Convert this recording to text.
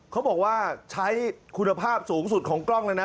เขาบอกว่าใช้คุณภาพสูงสุดของกล้องเลยนะ